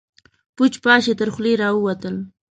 پوچ، پاش يې تر خولې راوتل.